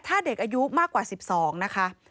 ถ้าเด็กอายุมากกว่า๑๒นะคะ